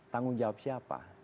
tanggung jawab siapa